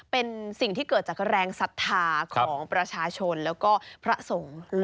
เป็นสิ่งที่เกิดจากแรงศรัทธาของประชาชนแล้วก็พระสงฆ์